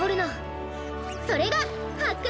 それがはっく